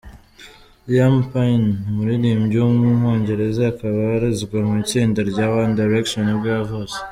Liam Payne, umuririmbyi w’umwongereza, akaba abarizwa mu itsinda rya One Direction nibwo yavutse.